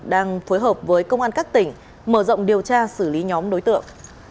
đang phối hợp với công an các tỉnh mở rộng điều tra xử lý nhóm đối tượng